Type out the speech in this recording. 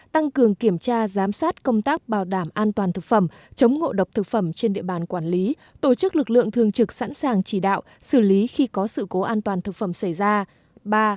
tăng cường kiểm tra giám sát công tác bảo đảm an toàn thực phẩm chống ngộ độc thực phẩm trên địa bàn quản lý tổ chức lực lượng thường trực sẵn sàng chỉ đạo xử lý khi có sự cố an toàn thực phẩm xảy ra